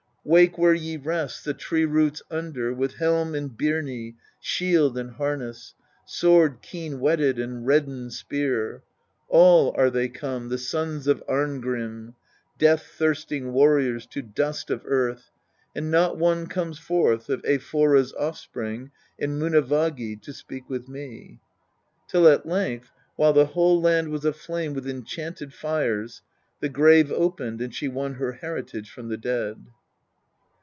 Wake where ye rest the tree roots under with helm and byrnie, shield and harness, sword keen whetted and reddened spear ! All are they come, the sons of Arngtim, death thirsting warriors, to dust of earth ; and not one comes forth of Eyfora's offspring in Munavagi to speak with me : till at length, while the whole land was aflame with enchanted fires, the grave opened, and she won her heritage from the dead.